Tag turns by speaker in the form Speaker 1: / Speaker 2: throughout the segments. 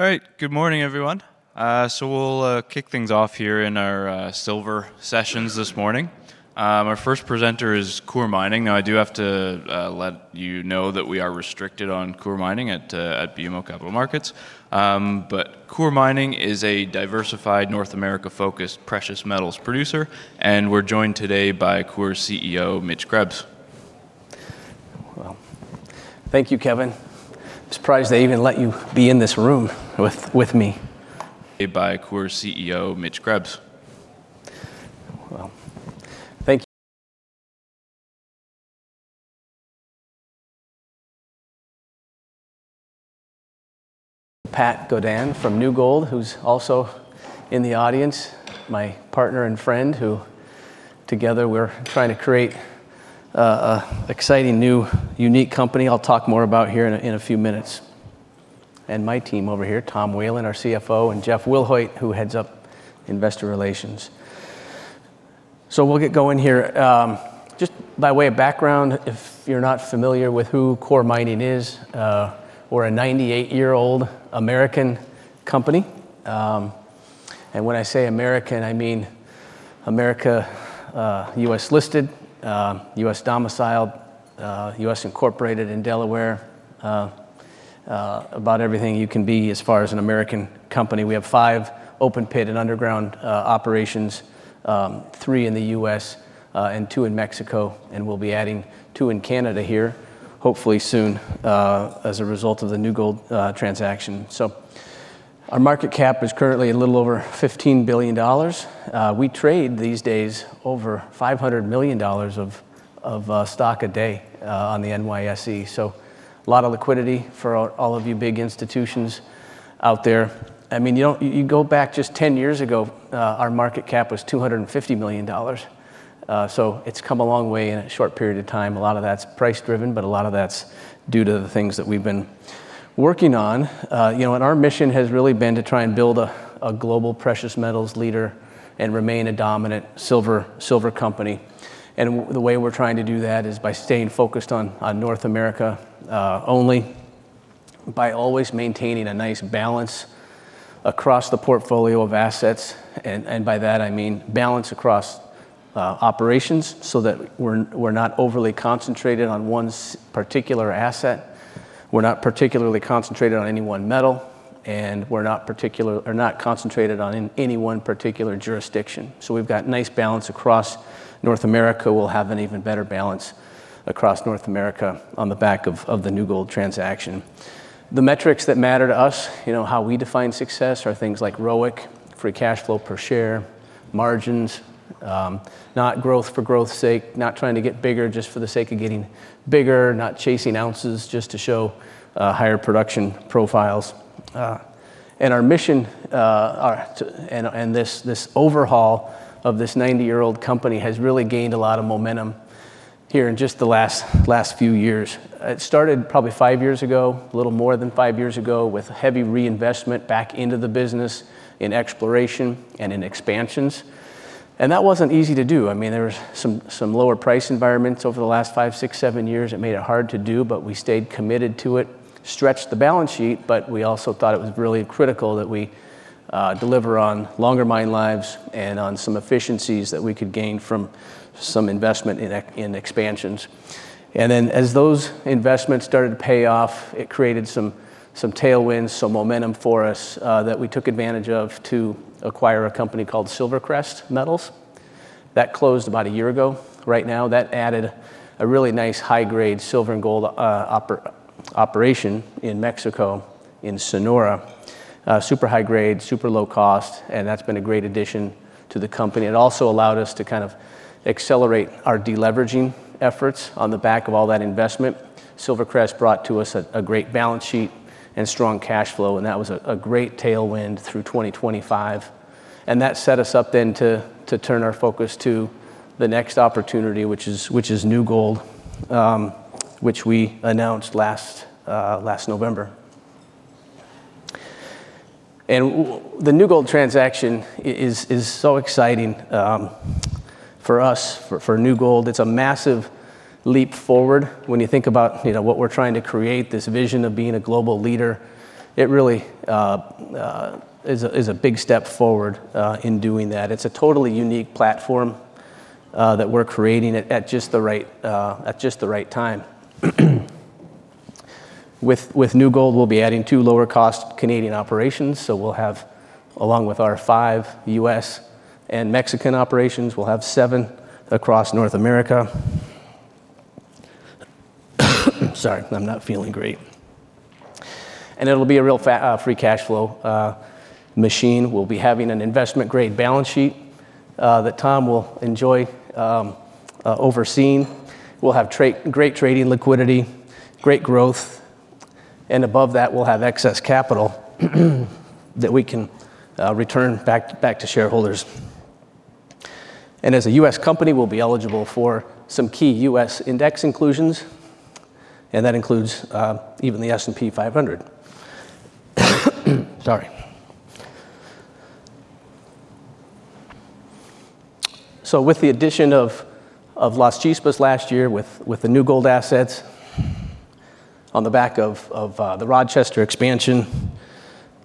Speaker 1: All right. Good morning, everyone. We'll kick things off here in our silver sessions this morning. Our first presenter is Coeur Mining. I do have to let you know that we are restricted on Coeur Mining at BMO Capital Markets. Coeur Mining is a diversified North America-focused precious metals producer, and we're joined today by Coeur's CEO, Mitchell Krebs.
Speaker 2: Well, thank you, Kevin. Surprised they even let you be in this room with me.
Speaker 1: By Coeur's CEO, Mitchell Krebs.
Speaker 2: Well, thank you, Pat Godin from New Gold, who's also in the audience, my partner and friend, who together we're trying to create, a exciting, new, unique company I'll talk more about here in a few minutes. My team over here, Tom Whelan, our CFO, and Jeff Wilhoit, who heads up investor relations. We'll get going here. Just by way of background, if you're not familiar with who Coeur Mining is, we're a 98-year-old American company. And when I say American, I mean America, U.S. listed, U.S. domiciled, U.S. incorporated in Delaware, about everything you can be as far as an American company. We have five open pit and underground operations, three in the U.S. and two in Mexico, and we'll be adding two in Canada here, hopefully soon, as a result of the New Gold transaction. Our market cap is currently a little over $15 billion. We trade these days over $500 million of stock a day on the NYSE. A lot of liquidity for all of you big institutions out there. I mean, you go back just 10 years ago, our market cap was $250 million. It's come a long way in a short period of time. A lot of that's price-driven, but a lot of that's due to the things that we've been working on. You know, and our mission has really been to try and build a global precious metals leader and remain a dominant silver company. The way we're trying to do that is by staying focused on North America only, by always maintaining a nice balance across the portfolio of assets, and by that, I mean balance across operations, so that we're not overly concentrated on one particular asset. We're not particularly concentrated on any one metal, and we're not concentrated on any one particular jurisdiction. We've got nice balance across North America. We'll have an even better balance across North America on the back of the New Gold transaction. The metrics that matter to us, you know, how we define success are things like ROIC, free cash flow per share, margins, not growth for growth's sake, not trying to get bigger just for the sake of getting bigger, not chasing ounces just to show higher production profiles. Our mission are to, and this overhaul of this 90-year-old company has really gained a lot of momentum here in just the last few years. It started probably five years ago, a little more than five years ago, with heavy reinvestment back into the business in exploration and in expansions. That wasn't easy to do. I mean, there was some lower price environments over the last five, six, seven years. It made it hard to do, but we stayed committed to it. Stretched the balance sheet, but we also thought it was really critical that we deliver on longer mine lives and on some efficiencies that we could gain from some investment in expansions. As those investments started to pay off, it created some tailwinds, some momentum for us that we took advantage of to acquire a company called SilverCrest Metals. That closed about a year ago. Right now, that added a really nice high-grade silver and gold operation in Mexico, in Sonora. Super high grade, super low cost, that's been a great addition to the company. It also allowed us to kind of accelerate our de-leveraging efforts on the back of all that investment. SilverCrest brought to us a great balance sheet and strong cash flow, and that was a great tailwind through 2025. That set us up then to turn our focus to the next opportunity, which is New Gold, which we announced last November. The New Gold transaction is so exciting for us. For New Gold, it's a massive leap forward. When you think about, you know, what we're trying to create, this vision of being a global leader, it really is a big step forward in doing that. It's a totally unique platform that we're creating at just the right time. With New Gold, we'll be adding two lower-cost Canadian operations, so we'll have, along with our five US and Mexican operations, we'll have seven across North America. Sorry, I'm not feeling great. It'll be a real free cash flow machine. We'll be having an investment-grade balance sheet that Tom will enjoy overseeing. We'll have great trading liquidity, great growth, and above that, we'll have excess capital that we can return back to shareholders. As a U.S. company, we'll be eligible for some key U.S. index inclusions, and that includes even the S&P 500. Sorry. With the addition of Las Chispas last year, with the New Gold assets on the back of the Rochester expansion,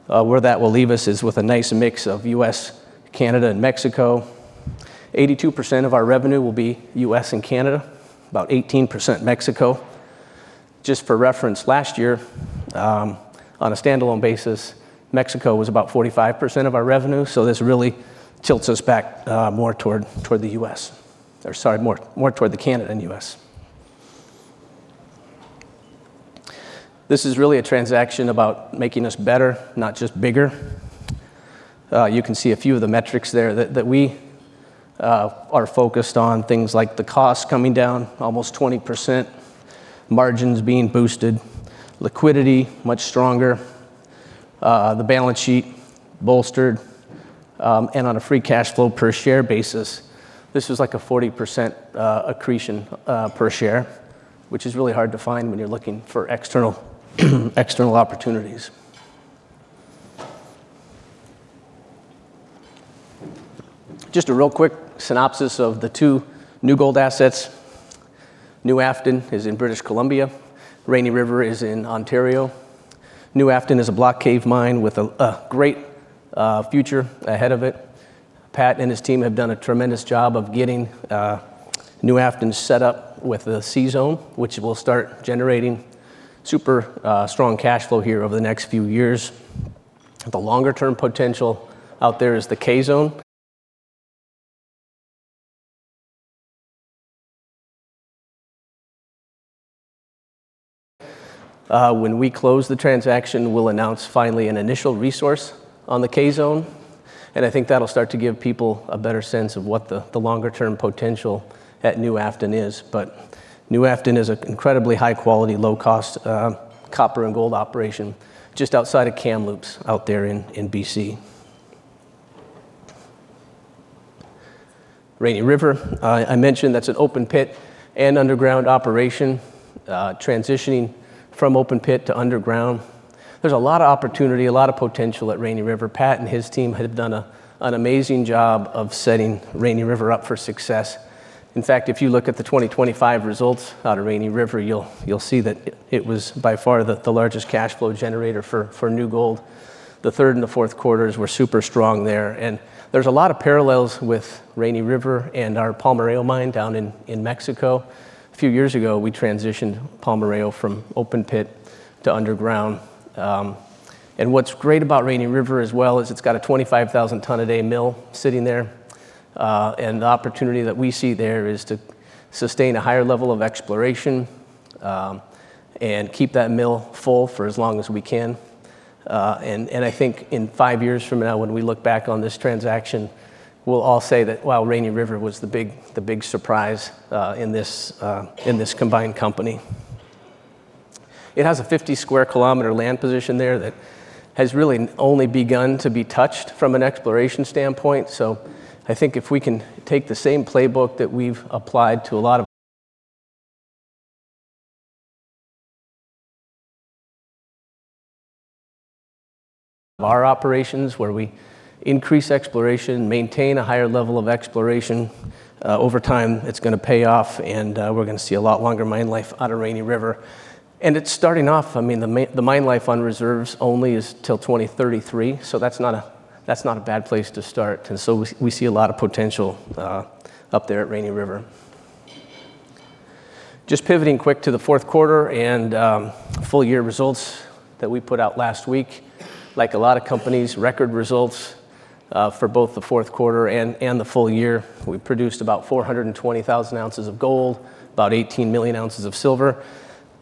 Speaker 2: where that will leave us is with a nice mix of U.S., Canada, and Mexico. 82% of our revenue will be U.S. and Canada, about 18% Mexico. Just for reference, last year, on a standalone basis, Mexico was about 45% of our revenue, so this really tilts us back more toward the U.S. Sorry, more toward the Canada and U.S. This is really a transaction about making us better, not just bigger. You can see a few of the metrics there that we are focused on, things like the cost coming down almost 20%, margins being boosted, liquidity much stronger, the balance sheet bolstered. On a free cash flow per share basis, this is like a 40% accretion per share, which is really hard to find when you're looking for external opportunities. Just a real quick synopsis of the 2 New Gold assets. New Afton is in British Columbia. Rainy River is in Ontario. New Afton is a block cave mine with a great future ahead of it. Pat and his team have done a tremendous job of getting New Afton set up with the C-Zone, which will start generating super strong cash flow here over the next few years. The longer-term potential out there is the C-Zone. When we close the transaction, we'll announce finally an initial resource on the C-Zone, and I think that'll start to give people a better sense of what the longer-term potential at New Afton is. New Afton is an incredibly high-quality, low-cost, copper and gold operation just outside of Kamloops, out there in BC. Rainy River, I mentioned that's an open pit and underground operation, transitioning from open pit to underground. There's a lot of opportunity, a lot of potential at Rainy River. Pat and his team have done an amazing job of setting Rainy River up for success. In fact, if you look at the 2025 results out of Rainy River, you'll see that it was by far the largest cash flow generator for New Gold. The third and fourth quarters were super strong there. There's a lot of parallels with Rainy River and our Palmarejo mine down in Mexico. A few years ago, we transitioned Palmarejo from open pit to underground. What's great about Rainy River as well is it's got a 25,000 ton a day mill sitting there. The opportunity that we see there is to sustain a higher level of exploration and keep that mill full for as long as we can. I think in five years from now, when we look back on this transaction, we'll all say that, "Wow, Rainy River was the big surprise in this combined company." It has a 50 sq km land position there that has really only begun to be touched from an exploration standpoint. I think if we can take the same playbook that we've applied to a lot of our operations, where we increase exploration, maintain a higher level of exploration over time, it's gonna pay off, and we're gonna see a lot longer mine life out of Rainy River. It's starting off. I mean, the mine life on reserves only is till 2033, so that's not a bad place to start. We see a lot of potential up there at Rainy River. Just pivoting quick to the fourth quarter and full-year results that we put out last week. Like a lot of companies, record results for both the fourth quarter and the full year. We produced about 420,000 oz of gold, about 18 million oz of silver.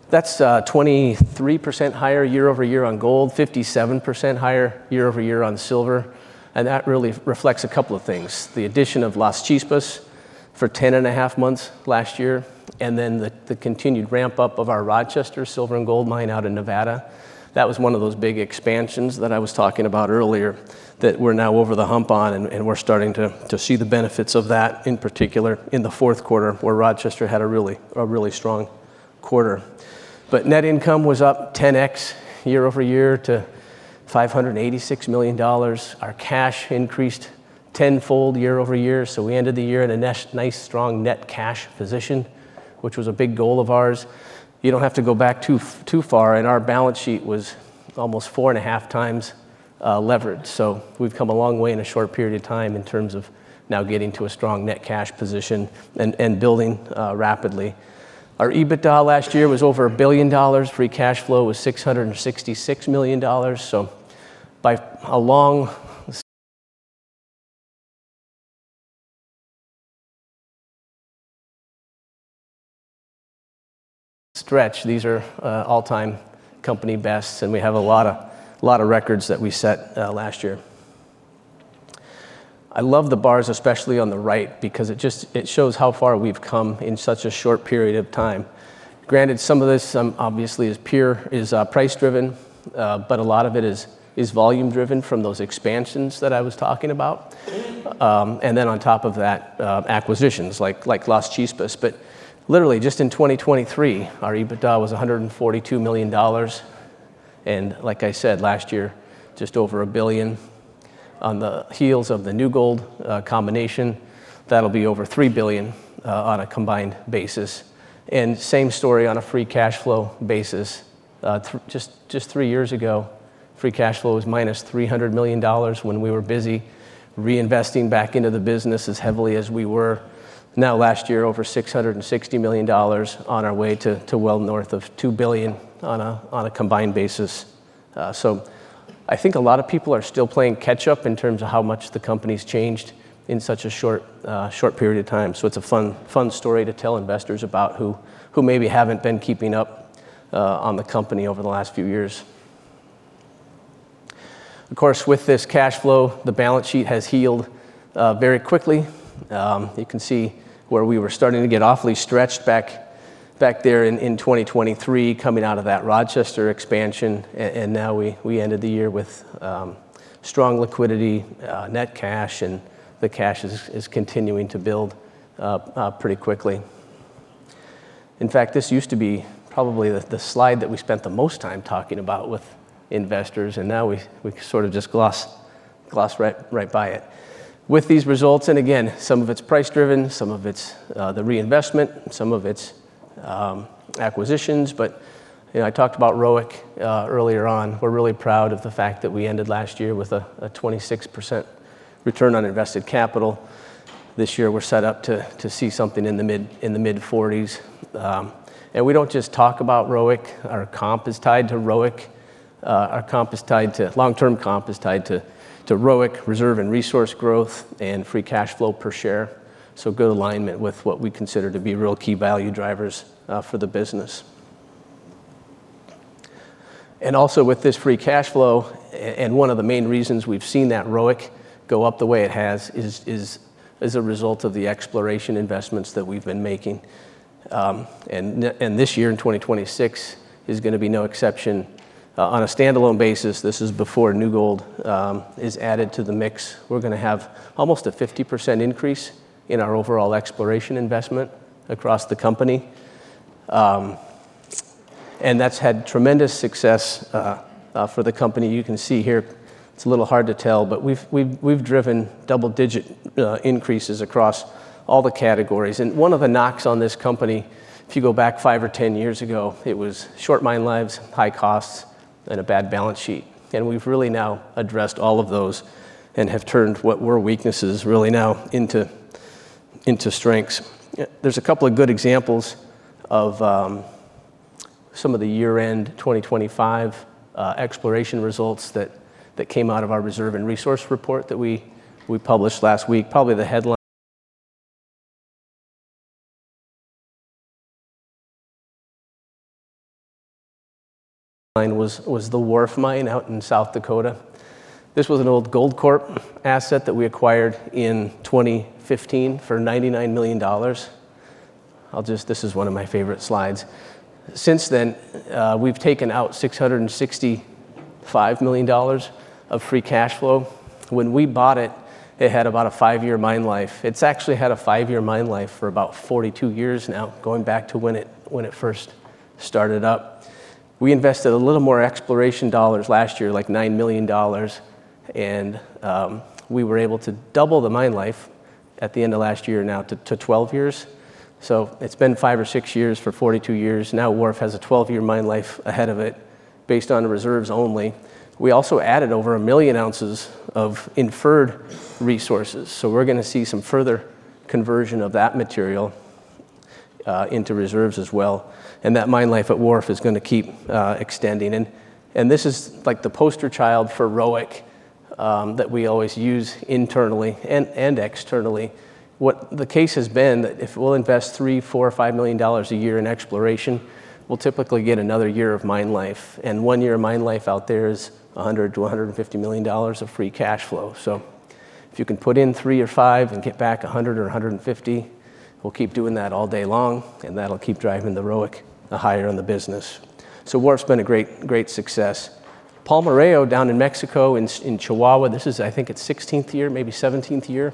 Speaker 2: That's 23% higher year-over-year on gold, 57% higher year-over-year on silver, and that really reflects a couple of things. The addition of Las Chispas for 10 and a half months last year, the continued ramp-up of our Rochester silver and gold mine out in Nevada. That was one of those big expansions that I was talking about earlier, that we're now over the hump on, and we're starting to see the benefits of that, in particular in the fourth quarter, where Rochester had a really strong quarter. Net income was up 10x year-over-year to $586 million. Our cash increased 10-fold year-over-year. We ended the year in a nice, strong net cash position, which was a big goal of ours. You don't have to go back too far. Our balance sheet was almost 4.5x leveraged. We've come a long way in a short period of time in terms of now getting to a strong net cash position and building rapidly. Our EBITDA last year was over $1 billion. Free cash flow was $666 million. By a long stretch, these are all-time company bests, and we have a lot of records that we set last year. I love the bars, especially on the right, because it shows how far we've come in such a short period of time. Granted, some of this, obviously, is pure, is price-driven, but a lot of it is volume driven from those expansions that I was talking about. On top of that, acquisitions, like Las Chispas. Literally, just in 2023, our EBITDA was $142 million. Like I said, last year, just over $1 billion. On the heels of the New Gold combination, that'll be over $3 billion on a combined basis. Same story on a free cash flow basis. Just three years ago, free cash flow was -$300 million when we were busy reinvesting back into the business as heavily as we were. Last year, over $660 million on our way to well north of $2 billion on a combined basis. So I think a lot of people are still playing catch-up in terms of how much the company's changed in such a short period of time. It's a fun story to tell investors about who maybe haven't been keeping up on the company over the last few years. Of course, with this cash flow, the balance sheet has healed very quickly. You can see where we were starting to get awfully stretched back there in 2023, coming out of that Rochester expansion. Now we ended the year with strong liquidity, net cash, and the cash is continuing to build up pretty quickly. In fact, this used to be probably the slide that we spent the most time talking about with investors. Now we sort of just gloss right by it. With these results, again, some of it's price-driven, some of it's the reinvestment, some of it's acquisitions, you know, I talked about ROIC earlier on. We're really proud of the fact that we ended last year with a 26% return on invested capital. This year, we're set up to see something in the mid-40s. We don't just talk about ROIC. Our comp is tied to ROIC. Long-term comp is tied to ROIC, reserve and resource growth, and free cash flow per share. Good alignment with what we consider to be real key value drivers for the business. Also, with this free cash flow, and one of the main reasons we've seen that ROIC go up the way it has is as a result of the exploration investments that we've been making. This year, in 2026, is gonna be no exception. On a standalone basis, this is before New Gold is added to the mix, we're gonna have almost a 50% increase in our overall exploration investment across the company. That's had tremendous success for the company. You can see here, it's a little hard to tell, but we've driven double-digit increases across all the categories. One of the knocks on this company, if you go back five or 10 years ago, it was short mine lives, high costs, and a bad balance sheet. We've really now addressed all of those and have turned what were weaknesses really now into strengths. There's a couple of good examples of some of the year-end 2025 exploration results that came out of our reserve and resource report that we published last week. Probably the headline was the Wharf mine out in South Dakota. This was an old Goldcorp asset that we acquired in 2015 for $99 million. This is one of my favorite slides. Since then, we've taken out $665 million of free cash flow. When we bought it had about a five-year mine life. It's actually had a five-year mine life for about 42 years now, going back to when it first started up. We invested a little more exploration dollars last year, like $9 million, and we were able to double the mine life at the end of last year, now to 12 years. It's been five or six years for 42 years. Now, Wharf has a 12-year mine life ahead of it, based on reserves only. We also added over 1 million oz of inferred resources, so we're gonna see some further conversion of that material into reserves as well, and that mine life at Wharf is gonna keep extending. This is, like, the poster child for ROIC that we always use internally and externally. What the case has been, that if we'll invest $3 million, $4 million, or $5 million a year in exploration, we'll typically get another year of mine life. One year of mine life out there is $100 million-$150 million of free cash flow. If you can put in $3 or $5 and get back $100 or $150, we'll keep doing that all day long, and that'll keep driving the ROIC higher in the business. Wharf's been a great success. Palmarejo, down in Mexico, in Chihuahua, this is, I think, its 16th year, maybe 17th year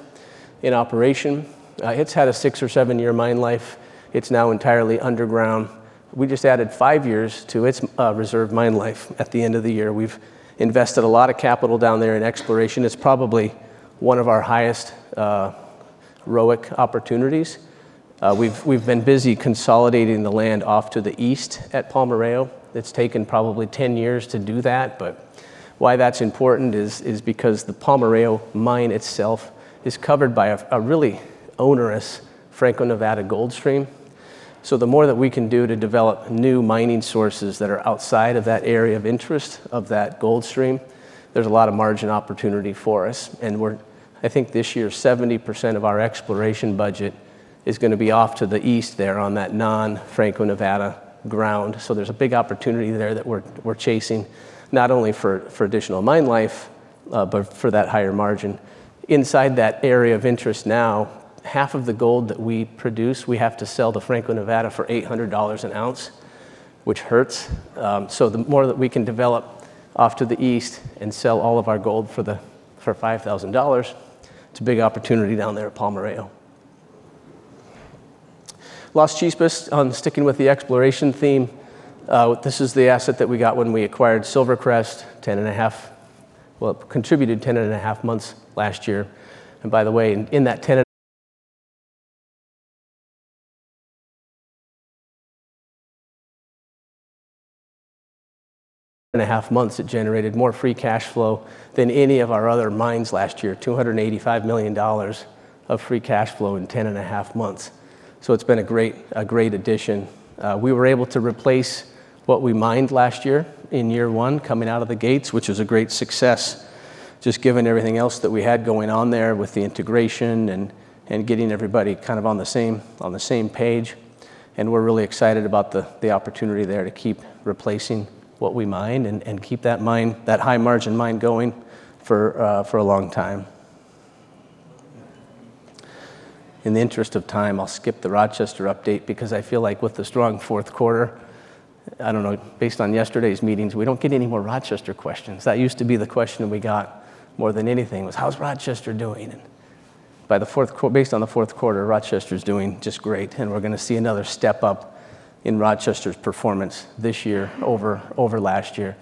Speaker 2: in operation. It's had a six or seven-year mine life. It's now entirely underground. We just added 5 years to its reserve mine life at the end of the year. We've invested a lot of capital down there in exploration. It's probably one of our highest ROIC opportunities. We've been busy consolidating the land off to the east at Palmarejo. It's taken probably 10 years to do that, why that's important is because the Palmarejo mine itself is covered by a really onerous Franco-Nevada gold stream. The more that we can do to develop new mining sources that are outside of that area of interest, of that gold stream, there's a lot of margin opportunity for us. We're. I think this year, 70% of our exploration budget is gonna be off to the east there on that non-Franco-Nevada ground. There's a big opportunity there that we're chasing, not only for additional mine life, but for that higher margin. Inside that area of interest now, half of the gold that we produce, we have to sell to Franco-Nevada for $800 an ounce, which hurts. The more that we can develop off to the east and sell all of our gold for $5,000, it's a big opportunity down there at Palmarejo. Las Chispas, on sticking with the exploration theme, this is the asset that we got when we acquired SilverCrest. Well, it contributed ten and a half months last year. By the way, in that ten and a half months, it generated more free cash flow than any of our other mines last year, $285 million of free cash flow in ten and a half months. It's been a great, a great addition. We were able to replace what we mined last year in year one, coming out of the gates, which is a great success, just given everything else that we had going on there with the integration and getting everybody kind of on the same page. We're really excited about the opportunity there to keep replacing what we mine and keep that high-margin mine going for a long time. In the interest of time, I'll skip the Rochester update because I feel like with the strong fourth quarter, I don't know, based on yesterday's meetings, we don't get any more Rochester questions. That used to be the question that we got more than anything, was, "How's Rochester doing?" Based on the fourth quarter, Rochester is doing just great, and we're gonna see another step up in Rochester's performance this year over last year.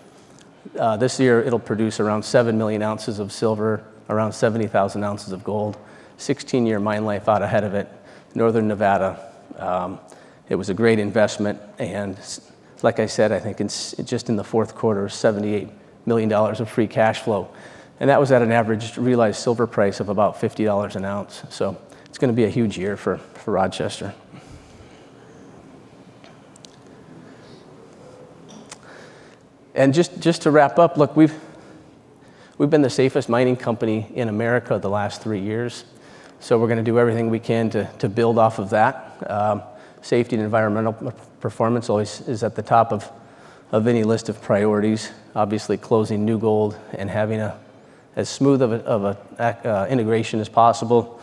Speaker 2: This year, it'll produce around 7 million oz of silver, around 70,000 oz of gold, 16-year mine life out ahead of it, northern Nevada. It was a great investment, like I said, I think just in the fourth quarter, $78 million of free cash flow, and that was at an average realized silver price of about $50 an ounce. It's gonna be a huge year for Rochester. Just to wrap up, look, we've been the safest mining company in America the last three years, so we're gonna do everything we can to build off of that. Safety and environmental performance always is at the top of any list of priorities. Obviously, closing New Gold and having a as smooth of a integration as possible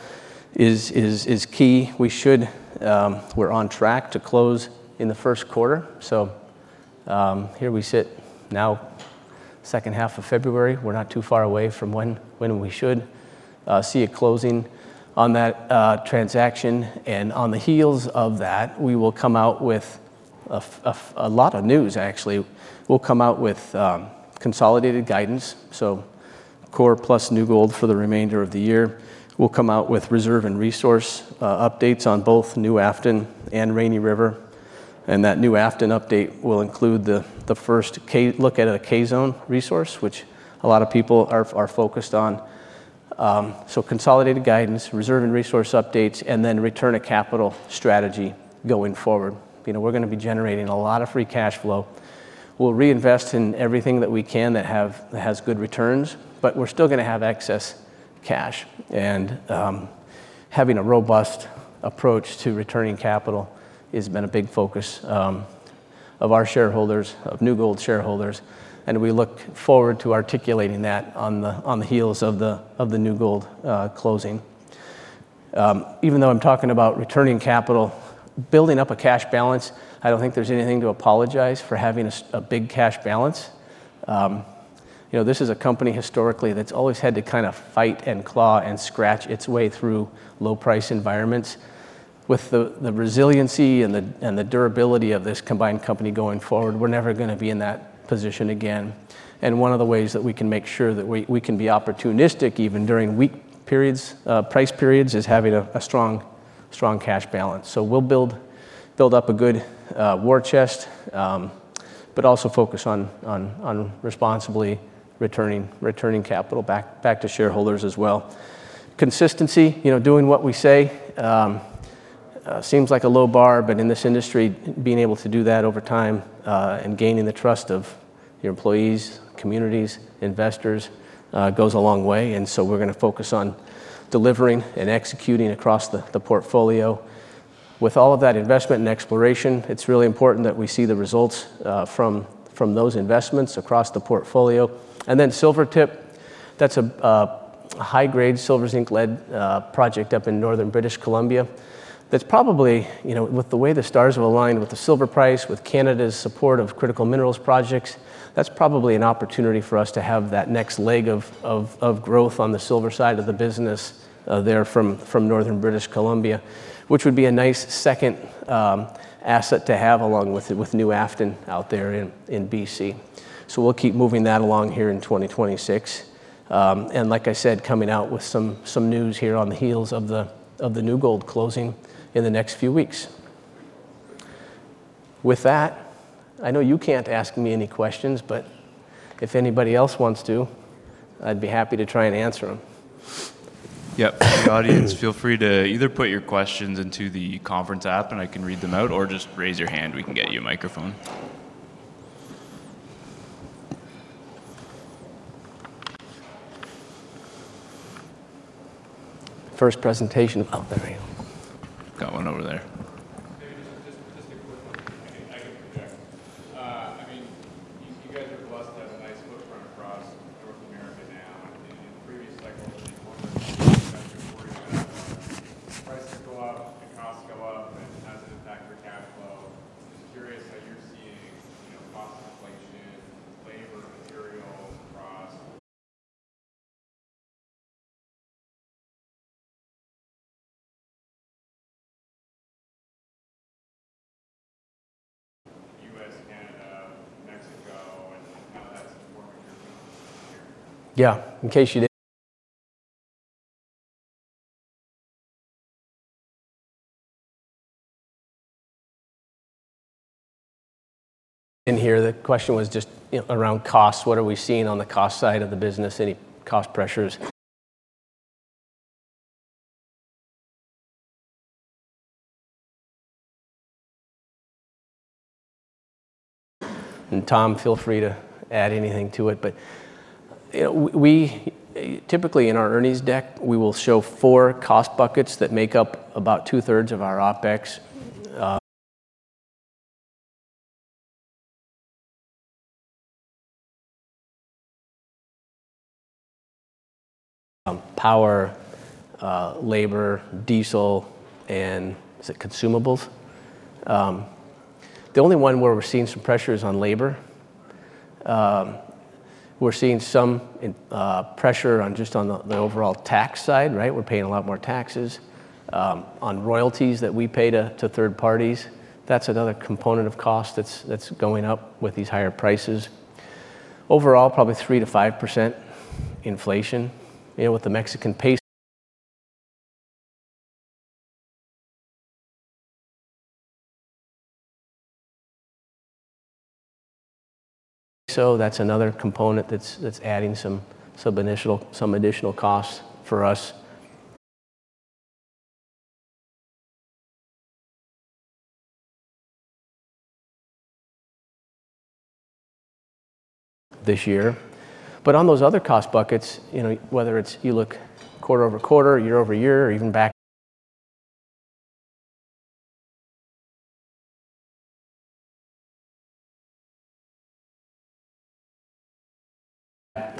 Speaker 2: is key. We're on track to close in the first quarter. Here we sit now, second half of February. We're not too far away from when we should see a closing on that transaction. On the heels of that, we will come out with a lot of news, actually. We'll come out with consolidated guidance, Coeur plus New Gold for the remainder of the year. We'll come out with reserve and resource updates on both New Afton and Rainy River, and that New Afton update will include the first look at a C-Zone resource, which a lot of people are focused on. Consolidated guidance, reserve and resource updates, return of capital strategy going forward. You know, we're gonna be generating a lot of free cash flow. We'll reinvest in everything that we can that has good returns, we're still gonna have excess cash. Having a robust approach to returning capital has been a big focus of our shareholders, of New Gold shareholders, we look forward to articulating that on the heels of the New Gold closing. Even though I'm talking about returning capital, building up a cash balance, I don't think there's anything to apologize for having a big cash balance. You know, this is a company historically, that's always had to kind of fight and claw and scratch its way through low-price environments. With the resiliency and the durability of this combined company going forward, we're never gonna be in that position again. One of the ways that we can make sure that we can be opportunistic, even during weak periods, price periods, is having a strong cash balance. We'll build up a good war chest, but also focus on responsibly returning capital back to shareholders as well. Consistency, you know, doing what we say, seems like a low bar, but in this industry, being able to do that over time, and gaining the trust of your employees, communities, investors, goes a long way. So we're gonna focus on delivering and executing across the portfolio. With all of that investment in exploration, it's really important that we see the results from those investments across the portfolio. Then Silvertip, that's a high-grade silver, zinc, lead, project up in northern British Columbia. That's probably, you know, with the way the stars have aligned with the silver price, with Canada's support of critical minerals projects, that's probably an opportunity for us to have that next leg of growth on the silver side of the business, there from northern British Columbia, which would be a nice second asset to have along with New Afton out there in BC. We'll keep moving that along here in 2026. Like I said, coming out with some news here on the heels of the New Gold closing in the next few weeks. With that, I know you can't ask me any questions, but if anybody else wants to, I'd be happy to try and answer them.
Speaker 1: Yep. The audience, feel free to either put your questions into the conference app, and I can read them out, or just raise your hand, we can get you a microphone.
Speaker 2: First presentation. Oh, there we go.
Speaker 1: Got one over there.
Speaker 3: Maybe just a quick one. I think I can project. I mean, you guys are blessed to have a nice footprint across North America now, and in previous cycles, I think one of the prices go up and costs go up, labor, materials, across US, Canada, Mexico, and how that's informing your plans this year?
Speaker 2: Yeah, in case you didn't hear, the question was just, you know, around costs. What are we seeing on the cost side of the business? Any cost pressures? Tom, feel free to add anything to it, but, you know, we typically in our earnings deck, we will show four cost buckets that make up about two-thirds of our OpEx. Power, labor, diesel, and is it consumables? The only one where we're seeing some pressure is on labor. We're seeing some pressure on just on the overall tax side, right? We're paying a lot more taxes, on royalties that we pay to third parties. That's another component of cost that's going up with these higher prices. Overall, probably 3%-5% inflation. You know, with the Mexican peso. That's another component that's adding some additional costs for us this year. On those other cost buckets, you know, whether it's you look quarter-over-quarter, year-over-year, or even back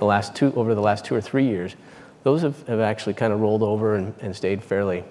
Speaker 2: over the last two or three years, those have actually kind of rolled over and stayed fairly.